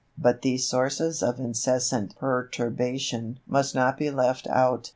But these sources of incessant perturbation must not be left out.